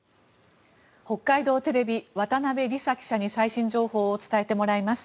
北海道テレビ渡辺里沙記者に最新情報を伝えてもらいます。